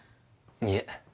いえ。